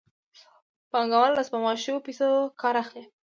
پانګوال له سپما شویو پیسو کار اخلي